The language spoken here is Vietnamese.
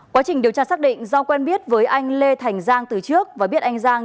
quá trình điều tra xác định do quen biết với anh lê thành giang từ trước và biết anh giang